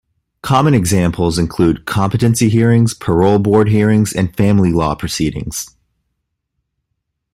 Common examples include competency hearings, parole board hearings and family law proceedings.